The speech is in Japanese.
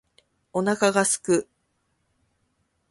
お腹が空く